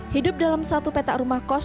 hidup dalam satu peta rumah kos